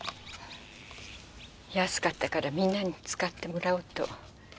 安かったからみんなに使ってもらおうと。